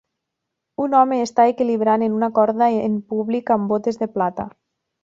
Un home està equilibrant en una corda en públic amb botes de plata.